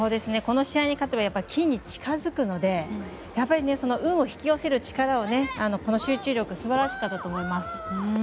この試合に勝てば金に近づくので運を引き寄せる力をこの集中力素晴らしかったと思います。